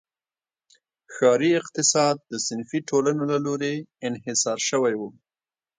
ښاري اقتصاد د صنفي ټولنو له لوري انحصار شوی و.